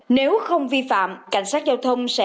nếu không vi phạm cảnh sát giao thông sẽ